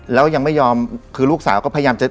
แล้วยังไม่ยอมคือลูกสาวก็พยายามจะ